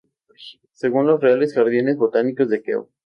Según los "Reales Jardines Botánicos de Kew